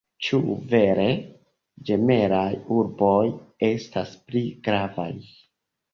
Ĉu vere ĝemelaj urboj estas pli gravaj?